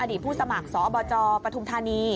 อดีตผู้สมัครสบปฐุมธานี